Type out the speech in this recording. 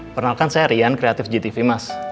pernah kan saya rian kreatif gtv mas